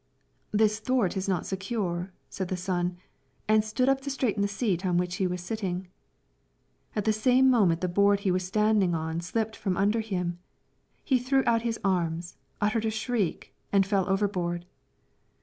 "This thwart is not secure," said the son, and stood up to straighten the seat on which he was sitting. At the same moment the board he was standing on slipped from under him; he threw out his arms, uttered a shriek, and fell overboard.